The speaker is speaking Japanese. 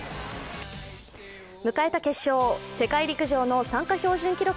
迎えた決勝、世界陸上の参加標準記録